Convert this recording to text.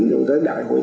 rồi tới đại hội tám